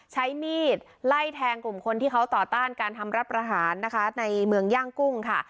ใช้มีดไล่แทงกลุ่มคนที่เขาต่อต้านการทำรับประหารนะคะในเมืองย่างกุ้งค่ะ